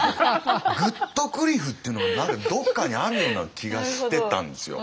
グットクリフっていうのが何かどっかにあるような気がしてたんですよ。